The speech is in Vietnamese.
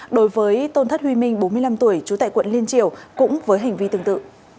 đối với tôn thất huy minh bốn mươi năm tuổi trú tại quận liên triều cũng với hành vi tương tự